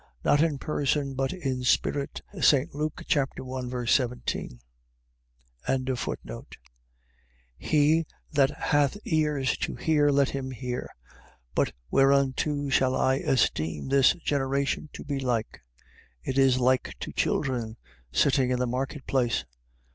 .Not in person, but in spirit. St. Luke 1. 17. 11:15. He that hath ears to hear, let him hear. 11:16. But whereunto shall I esteem this generation to be like? It is like to children sitting in the market place.